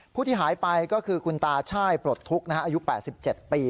ผู้ที่หายไปก็คือคุณตาช่ายปลดทุกข์นะฮะอายุแปดสิบเจ็ดปี